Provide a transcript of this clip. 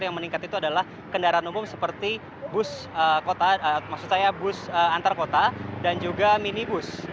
yang meningkat itu adalah kendaraan umum seperti bus antar kota dan juga minibus